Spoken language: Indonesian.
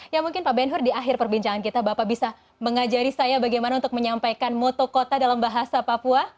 ya mungkin pak benhur di akhir perbincangan kita bapak bisa mengajari saya bagaimana untuk menyampaikan moto kota dalam bahasa papua